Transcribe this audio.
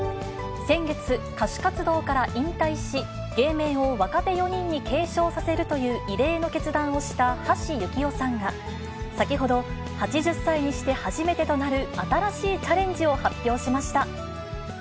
先月、歌手活動から引退し、芸名を若手４人に継承させるという異例の決断をした橋幸夫さんが、先ほど、８０歳にして初めてとなる新しいチャレンジを発表しました。